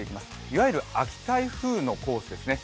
いわゆる秋台風のコースですね。